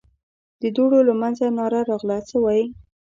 د دوړو له مينځه ناره راغله: څه وايې؟